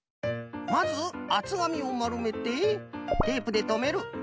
まずあつがみをまるめてテープでとめる。